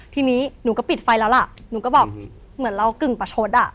ทีนี้หนูก็ปิดไฟแล้วล่ะหนูก็บอกเหมือนเรากึ่งประชดอ่ะ